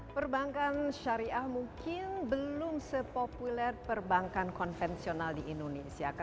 perbankan syariah mungkin belum sepopuler perbankan konvensional di indonesia